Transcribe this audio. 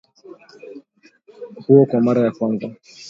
huo kwa mara ya kwanza